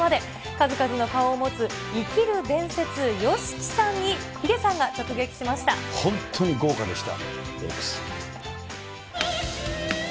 数々の顔を持つ生きる伝説、ＹＯＳＨＩＫＩさんにヒデさんが本当に豪華でした。